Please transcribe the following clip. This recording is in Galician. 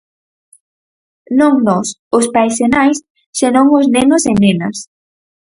Non nós, os pais e nais, senón os nenos e nenas.